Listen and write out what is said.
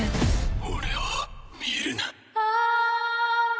俺を見るな。